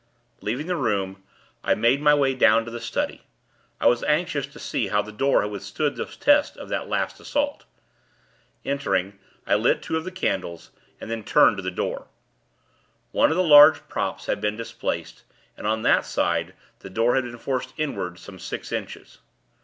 Leaving the room, I made my way down to the study. I was anxious to see how the door had withstood the test of that last assault. Entering, I lit two of the candles, and then turned to the door. One of the large props had been displaced, and, on that side, the door had been forced inward some six inches.